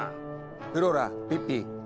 フローラピッピ。